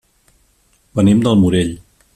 Venim del Morell.